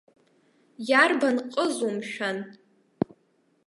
Иарбан ҟызу, мшәан?